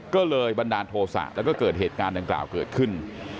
ก็เลยบันดาลโทษะแล้วก็เกิดเหตุการณ์ดังกล่าวเกิดขึ้น